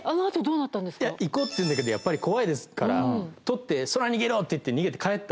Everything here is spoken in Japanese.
行こうって言うんだけどやっぱり怖いですから撮ってそら逃げろって言って。